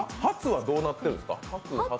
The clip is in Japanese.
發はどうなってるんですか？